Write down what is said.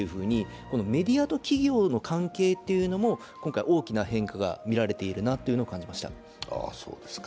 メディアと企業の関係も今回大きな変化がみられているなと感じました。